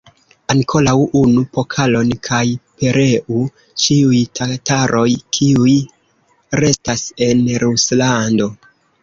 Ankoraŭ unu pokalon, kaj pereu ĉiuj tataroj, kiuj restas en Ruslando!